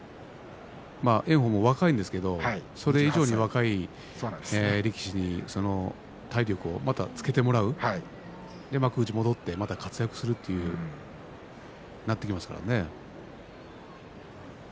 炎鵬は若いんですがそれ以上に若い力士に体力をまたつけてもらうまた、幕内で戻って活躍するというふうになってきます。